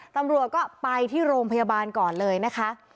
ตำรวจก็ไปที่โรงพยาบาลก่อนเลยนะคะ